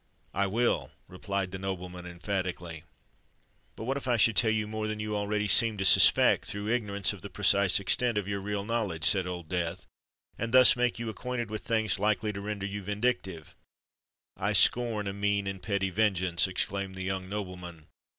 "I will," replied the nobleman emphatically. "But what if I should tell you more than you already seem to suspect—through ignorance of the precise extent of your real knowledge," said Old Death,—"and thus make you acquainted with things likely to render you vindictive——" "I scorn a mean and petty vengeance!" exclaimed the young nobleman.